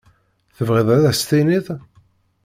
Tebɣiḍ ad as-tiniḍ?